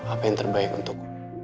apa yang terbaik untuk